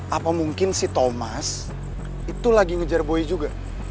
apa mungkin si thomas itu lagi ngejar bui juga